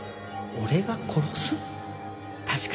「俺が殺す？」